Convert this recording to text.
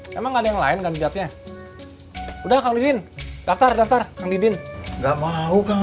sob itu kok mahal